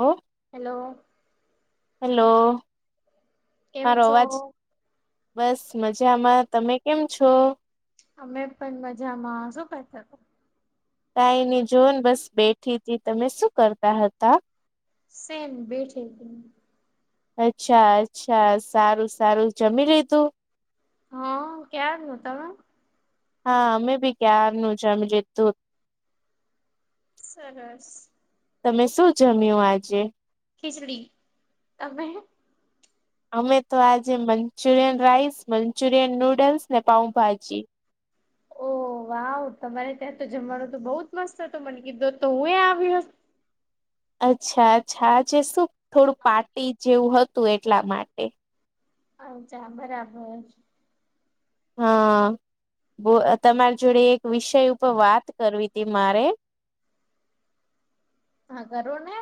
હો hello hello કેમ મારો છો અવાજ બસ મજામાં તમે કેમ છો? અમે પણ મજામાં શું કરતા હતા કાય ની જોન બસ બેઠી હતી તમે શું કરતા હતા સેમ બેઠે હતી અચ્છા અચ્છા સારું સારું જમી લીધું હા ક્યાર નુ તમે હા અમે બી ક્યારનું જમી લીધું સરસ તમે શું જમ્યું આજે ખિચડી તમે અમે તો આજે મંચુરિયન રાઈસ મંચુરિયન નુડલ્સ ને પાઉભાજી [unintelligible] ઓહ વાવ તમારે ત્યાં તો જમવાનું તો બહુ જ મસ્ત હતુ મને કીધો તો હું એ આવી અચ્છા અચ્છા આજે શું થોડું પાર્ટી જેવું હતું એટલા માટે અચ્છા બરાબર હા બ તમારી જોડે એક વિષય ઉપર વાત કરવી હતી મારે હા કરો ને.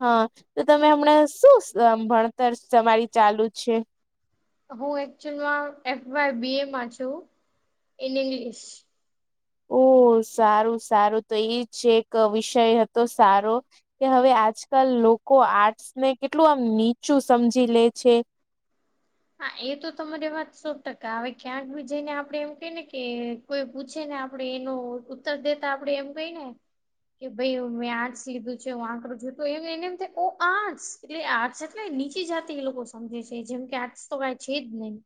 હા તો તમે હમણા શું ભણતર તમારી ચાલુ છે. હું એકચુલમાં એફ વાય બી એમાં છું ઇન ઇંગ્લિ ઓ સારું સારું તો ઈજ એક વિષય હતો સારો કે હવે આજકાલ લોકો આર્ટસને કેટલું આમ નીચું હા સમજી લે છે હા એ તો તમારી વાત સો ટકા હવે ક્યાંક બી જઈને આપડે એમ કને કે કોઈ પૂછે ને આપણેે એનો ઉત્તર દેતા આપડે એમ કઈ ને કે ભાઈ મેં આર્ટસ લીધું છે હું આ કરું છું એને એમ થાય ઓ આર્ટસ એટલે આર્ટ્સ એટલે નીચી જાતી એ લોકો સમજે છે જેમ કે આર્ટસ તો કઈ છે જ નહી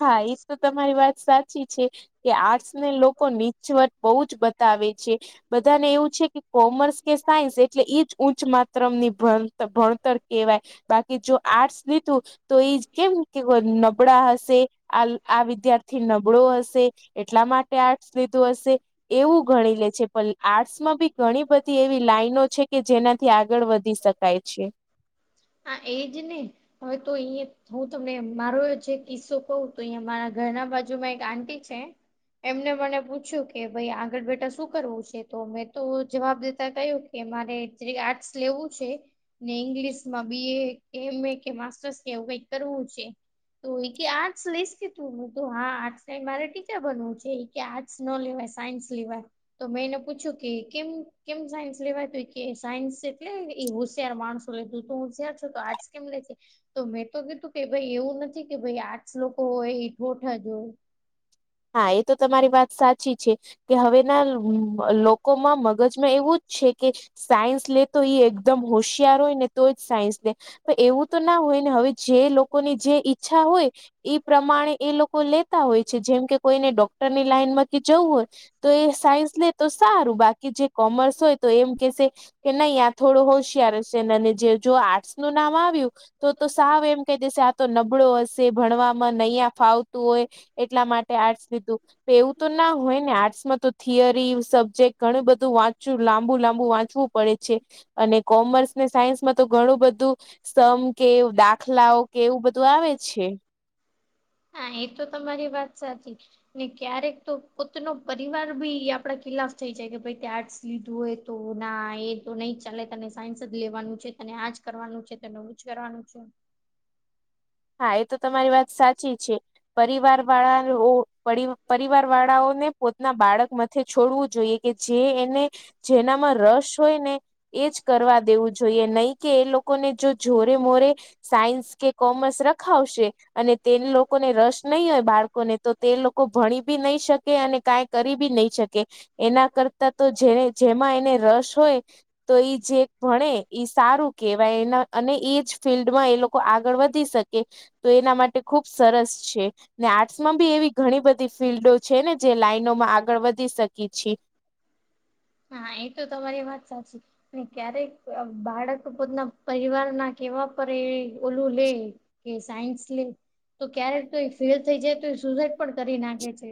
હા એ તો તમારી વાત સાચી છે કે આર્ટસ ને લોકો નીચુ બોહ જ બતાવે છે બધાને એવું છે કે કોમર્સ કે સાયન્સ એટલે ઈજ ઉચ્ચ માત્ર ત્ર મની ભણ ભણતર કવાય બાકી જો આર્ટસ લીધું તો ઈ કેમ કે વ નબડા હશે આ આ વિદ્યાર્થી નબળો હશે એટલા માટે આર્ટસ લીધું હશે એવું ગણી લે છે પણ આર્ટસમાં બી ઘણી બધી એવી લાઈનો છે કે જેનાથી આગળ વધી શકે કાંઈ છે હ એજ ને હવે તો અ હું તમને મારો જે કિસ્સો કઉ તો અહિયાં મારા ઘરના બાજુમાં એક આંટી છે એમને મને પૂછ્યું કે ભાઈ આગળ બેટા શું કરવું છે તો મેં તો જવાબ દેતા કહ્યું કે મારે જે આર્ટસ લેવું છે ને ઇંગ્લિશ માં બી એ એમ એ કે માસ્ટર્સ એવું કઈ કરવું છે તો ઈ કે આર્ટસ લઈશ તું, હુ તો હા આર્ટસ મારે ટીચર બનવું છે કે આર્ટસ નો લેવાય સાયન્સ લેવાય તો મેં એને પૂછ્યું કે કેમ કેમ સાયન્સ લેવાતું કે સાયન્સ એટલે એ હોશિયાર માણસો એટલે તુ હુશિયાર છે તો આર્ટ્સ કેમ લે છે તો મેં તો કીધું કે ભઈ એવું નથી કે ભઈ આર્ટસ લોકો હોય ઈ ઠોઠ જ હોય. હા એ તો તમારી વાત સાચી છે કે હવેના લોકોમાં મગજમાં એવું જ છે કે સાયન્સ લે તો ઈ એકદમ હોશિયાર હોય ને તો જ સાયન્સ લે પણ એવું તો ના હોય ને હવે જે લોકોની જે ઈચ્છા હોય ઈ પ્રમાણે એ લોકો લેતા હોય છે જેમ કે કોઈને ડોક્ટરની લાઈન માં કે જવું હોય તો એ સાયન્સ લે તો સારું બાકી જે કોમર્સ હોય તો એમ કેશે કે નહી આ થોડું હોશિયાર હશે ને ન જે જો આર્ટસ નું નામ આવ્યું તો તો સાવ એમ કહી દેશે આ તો નબળો હશે ભણવામાં નહીયાં ફાવતું હોય એટલા માટે આર્ટસ લીધું. એવું તો ના હોય ને આર્ટસમાં તો થિયરી સબ્જેક્ટ ઘણું બધું વાંચવું લાંબુ લાંબુ વાંચવું પડે છે અને કોમર્સ ને સાયન્સમાં તો ઘણું બધું સમ કે દાખલાઓ કે એવું બધું આવે છે. હા એ તો તમારી વાત સાચી. ને ક્યારેક તો પોતનો પરિવાર ભી આપડા ખિલાફ થઈ જાય કે ભઈ તે આર્ટસ લીધું હોય તો ના એ તો નહી જ ચાલે તને સાયન્સ જ લેવાનું છે તને આજ કરવાનું છે તને એવું જ કરવાનું છે. હા એ તો તમારી વાત સાચી છે. પરિવાર વાળા ઓ પરી પરિવાર વાળાઓને પોતના બાળક માથ છોડવું જોઈએ કે જે એને જેનામાં રસ હોય ને એજ કરવા દેવું જોઈએ નહીં કે એ લોકોને જો જોરે મોરે સાયન્સ કે કોમર્સ રખાવશે અને અને તે લોકોને રસ નહીં હોય બાળકોને તો તે લોકો ભણી બી નહીં શકે અને કાંઈક કરી બી નહી શકે. એના હા કરતા તો જેને જેમાં એને રસ હોય તો ઈ જે ભણે ઈ સારું કેહેવાય એના અને ઈજ ફિલ્ડમાં એ લોકો આગળ વધી શક કે તો એના માટે ખુબ સરસ છે. ને આર્ટસ માં બી એવી ઘણી બધી ફિલ્ડો છે ને જે લાઈનોમાં આગળ વધી શકી છી. હા એ તો તમારી વાત સાચી. ને ક્યારેક બાળક પોતના પરિવાર ના કેવા પર એ ઓલું લે કે સાયન્સ લે તો ક્યારેક તો એ ફેલ થઈ જાય તો એ સુસાઈડ પણ કરી નાખે છે.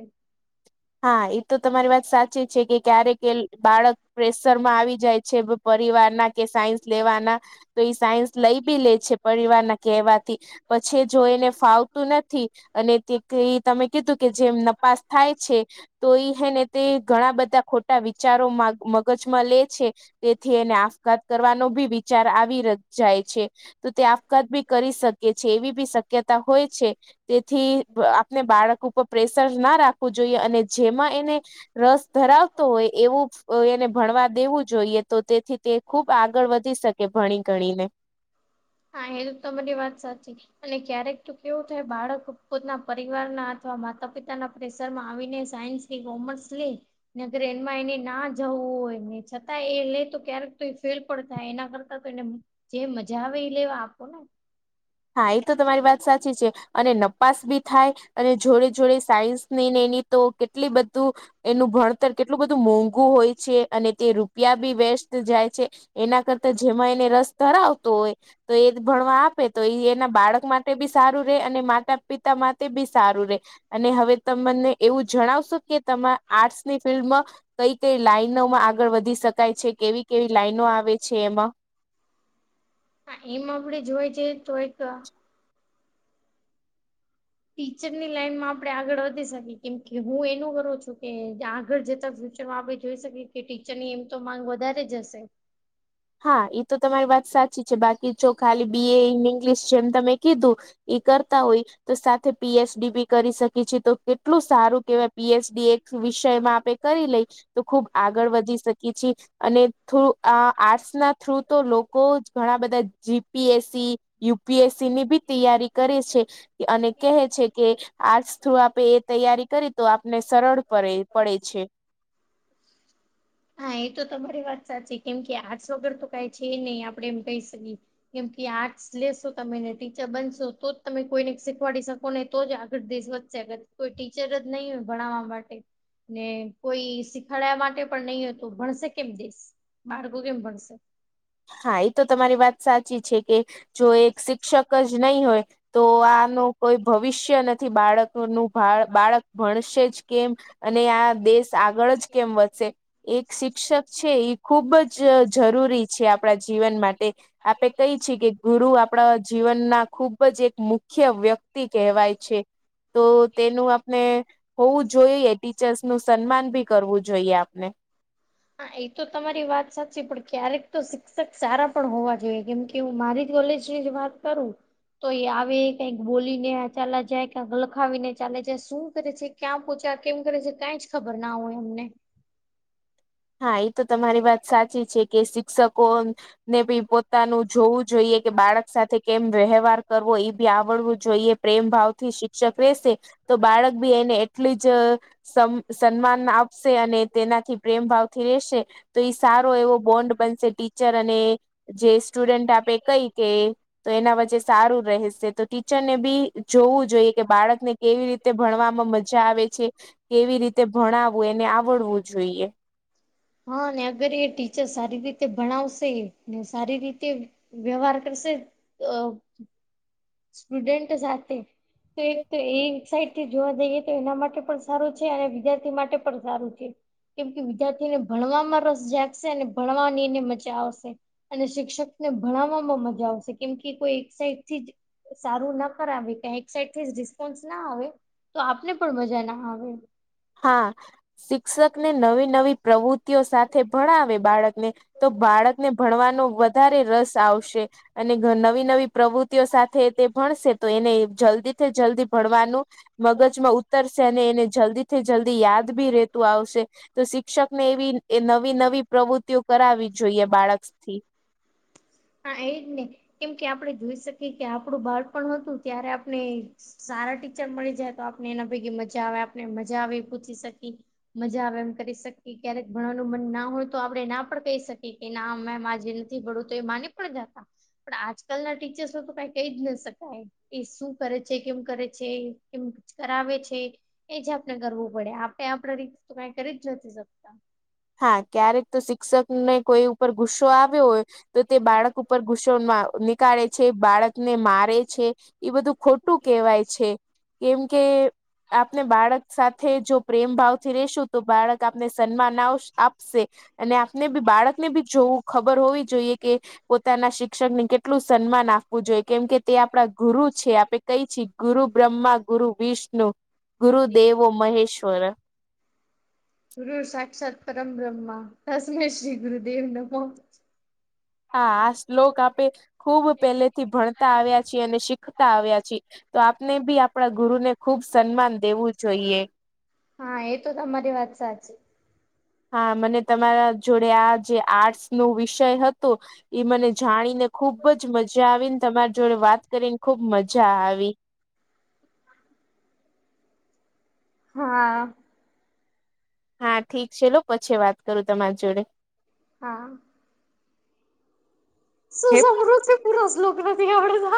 હા એ તો તમારી વાત સાચી છે કે ક્યારેક એ બાળક પ્રેશરમાં આવી જાય છે પરિવાર ના કે સાયન્સ લેવાના તો એ સાયન્સ લઈ બી લે છે પરિવારના કહેવાથી. પછી જોઈને ફાવતું નથી અને કે એ તમે કીધું કે જેમ નપાસ થાય છે. તો ઈ હે ને તે ઘણા બધા ખોટા વિચારો માં મગ કછમાં લે છે તેથી એને આપઘાત કરવાનો ભી વિચાર આવી ર જાય છે. તો તે આપઘાત બી કરી શકે છે એવી બી શક્યતા હોય છે. તેથી અ આપને બાળક ઉપર પ્રેશર ના રાખવું જોઈએ અને જેમાં એને રસ ધરાવ તો હોય એવું એને ભણવા દેવું જોઈએ તો તેથી તે ખુબ આગળ વધી શકે ભણી ગણીને. હા એત તમારી વાત સાચી અને ક્યારેક તો કેવું થાય બાળક પોતાના પરિવારના અથવા માતા પિતાના પ્રેેશર માં આવીને સાયન્સ એ કોમર્સ લે નેગર એમાં એને ના જવું હોય ને છતાં એ લે તો ક્યારેક તો એ ફેલ પણ થાય એના કરતા તો એને જે મજા આવે એ લેવા આપો ને. હા એ તો તમારી વાત સાચી છે અને નપાસ બી થાય અને જોડે જોડે સાયન્સની ને એની તો કેટલી બધું એનું ભણતર કેટલું બધું મોંઘું હોય છે અને તે રૂપિયા બી વેસ્ટ જાય છે. એના કરતા જેમાં એને રસ ધરાવતો હોય તો એ જ ભણવા આપે તો એ એના બાળક માટે બી સારું રે અને માતા પિતા માતે બી સારું રે. અને હવે ત મને એવું જણાવશો કે તમારા આર્ટસની ફિલ્ડમાં કઈ કઈ લાઈનોમાં આગળ વધી શકાય છે કેવી કેવી લાઈનો આવે છે એમાં? હા એમ આપડે જોવા જાએ એ તો એક ટીચરની લાઈનમાં આપણે આગળ વધી શકી. કેમ કે હું એનું કરું છું કે આગળ જતાં ફ્ ચરમાં આપે જોઈ શકીએ કે ટીચરની એમ તો માંગ વધારે જ હશે. હા એ તો તમારી વાત સાચી છે બાકી જો ખાલી બી એ એની [unintelligible] જેમ તમે કીધું એ કરતા હોય તો સાથે પી એચ ડી બી કરી શકી છી તો કેટલું સારું કેવાય પી એચ ડી એ વિષયમાં આપણે કરી લઈ તો ખુબ આગળ વધી શકીએ છી. અને થ્રુ આ આર્ટસના થ્રુ તો લોકો જ ઘણા બધા G P S C, U P S ની બી તૈયારી કરે છે અને કહે છે કે આર્ટસ થ્રુ આપે એ તૈયારી કરી તો આપને સરળ પરે પડે છે. હા. એ તો તમારી વાત સાચી કેમ કે આર્ટસ વગર તો કાઈ છે નહી આપડે એમ કહી શકીએ. કેમ કે આર્ટસ લેશો તમે ને ટીચર બનશો તો જ તમે કોઈને શીખવાડી શકો ને તો જ આગળ દેશ વધ [unintelligible] કોઈ ટીચર જ નહી હોય ભણાવવા માટે ને કોઈ શીખાડા માટે પણ નહી હોય તો ભણશે કેમ દેશ? બાળકો કેમ ભણશે? હા. એ તો તમારી વાત સાચી છે કે જો એક શિક્ષક જ નહી હોય તો આનું કોઈ ભવિષ્ય નથી બાળકનું. બાળક ભણશે જ કેમ? અને આ દેશ આગળ જ કેમ વધશે? એક શિક્ષક છે ઈ ખુબ જ જરૂરી છે આપણા જીવન માટે આપે કઈ છેકે ગુરુ આપણા જીવનના ખૂબ જ એક મુખ્ય વ્યક્તિ કહેવાય છે. તો તેનું આપને હોવું જોઈએ ટીચર્સનું સન્માન ભી કરવું જોઈએ આપને હા. એ તો તમારી વાત સાચી પણ ક્યારેક તો શિક્ષક સારા પણ હોવા જોઈએ કેમ કે કે હું મારી કોલેજની જ વાત કરુ તો એ આવે કંઈક બોલીને ચાલ્યા, જાય ક્યાંક લખાવીને ચાલે જાય, શું કરે છે. ક્યાં પોચ્યા? કેમ કરે છે, કંઈ જ ખબર ના હોય અમને હા. એ તો તમારી વાત સાચી છે કે શિ ક્ષકોને ભી પોતાનું જોવુ જોઈએ, કે બાળક સાથે કેમ વ્યવહાર કરવો એ આવડવું જોઈએ. પ્રેમભાવથી શિક્ષક રહેેશે, તો બાળક બી એને એટલી જ સમ સન્માન આપશે અને તેનાથી પ્રેમ ભાવથી રહેશે તોએ સારો એવો બોન્ડ બનશે ટીચર અને જે સ્ટુડન્ટ આપે કઈ કે તો એના વચ્ચે સારું રહેશે તો ટીચરને બી જોવું જોઈએ કે બાળકને કેવી રીતે ભણવામાં મજા આવે છે, કેવી રીતે ભણાવું? એને આવડવું જોઈએ. હા, અને અગર એ ટીચર સારી રીતે ભણાવશે ને સારી રીતે વ્યવહાર કરશે તોઅ સ્ટુડન્ટ સાથે એક તો એ સાઇડ થી જોવા જઈએ તો એના માટે પણ સારુ છે, અને વિદ્યાર્થી માટે પણ સારું છે. કેમ કે વિદ્યાર્થીઓને ભણવામાં રસ જાગશે અને ભણવાની એને મજા આવશે અને શિક્ષકને ભણાવવામાં મજા આવશે કેમ કે કોઈ એક સાઇડથી જ સારું ના કરાવીકા એક સાઇડથી જ રિસ્પોન્સ ના આવે તો આપને પણ મજા ના આવે હા શિક્ષકને નવી નવી પ્રવૃતિઓ સાથે થે ભણાવે બાળકને તો બાળકને ભણવાનો વધારે રસ આવશે અને નવી નવી પ્રવૃતિઓ સાથે તે ભણશે તો એને જલ્દીથી જલ્દી ભણવાનુ મગજમાં ઉતરશે અને એને જલ્દીથી જલ્દી યાદ બી રહેેતું આવશે તો શિક્ષકને એવી એ નવી નવી પ્રવૃત્તિઓ કરાવવી જોઈએ બાળસ્ક થી હા એજને! કેમ કે આપણે જોઈ, શકીએ કે આપડું બાળપણ હતુ ત્યારે આપણે સારા ટીચર મળી જાય તો આપને એના ભેગી મજા આવે આપને મજા આવે એ પૂછી શકી મજા આવે એમ કરી શકી ક્યારેક ભણવાનું મન ના હોય તો આપડે ના પણ કઈ શકી. કે ના મેમ આજે નથી ભણવું તો એ માની પણ જાતા પણ આજકાલના ટીચર્સ, ઓ તો કાઈ કઈ જ ન શકાય એ શું કરે છે, કેમ કરે છે, કેમ કરાવે છે. એ જાતને કરવું પડે આપે આપડા રીતે તો કાઈ કરી જ નથી શકતા હા, ક્યારેક તો શિક્ષક ને કોઈ ઉપર ગુસ્સો આવ્યો હોય, તો તે બાળક ઉપર ગુસ્સોમાની કાલે છે બાળક ને મારે છે, એ બધું ખોટું કેવાય છે. કેમ કે આપને બાળક સાથે જો પ્રેમ ભાવથી રેસુ, તો બાળક આપને સન્માન આવશે આપશે, અને આપને બી બાળકને બી જોવું ખબર હોવી જોઈએ કે પોતાના શિક્ષકની કે ટલું સન્માન આપવું જોઈએ કેમ કે તે આપડા ગુરુ છે આપે કઈ છી, ગુરુ બ્રહ્મા ગુર વિષ્ણુ ગુર દેવો મહેેશ્વર ગુરર સાક્ષાત્ પરમ બ્રહ્મા તસમય શ્રી ગુર દેવ નમ હા આ શ્લોક આપે ખુબ પેહલે થી ભણતા આવ્યા છીએ, અને શિક ખતા આવ્યા છી, તો આપને બી આપણા ગુરુને ખુબ સન્માન દેવું જોઈએ. હા, એ તો તમારી વાત સાચી. હા મને તમારા જોડે, આ જે આર્ટસ નો વિષય હતો એ મને જાણીને ખુબ જ મજા આવી ન તમાર જોડે વાત કરીન ખુબ મજા આવી હા હા ઠીક ચલો પછી વાત કરુ તમાર જોડે હા. સુ સમમૃ છે, પૂરા શ્લોક નથી આવડતા